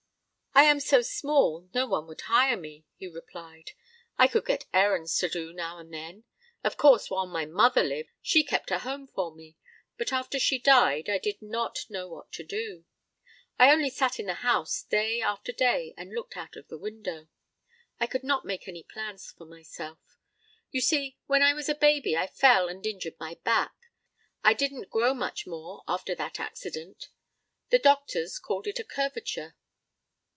"I am so small no one would hire me," he replied. "I could get errands to do now and then. Of course, while my mother lived she kept a home for me, but after she died I did not know what to do. I only sat in the house day after day and looked out of the window. I could not make any plans for myself. You see when I was a baby I fell and injured my back. I didn't grow much more after that accident. The doctors called it a curvature."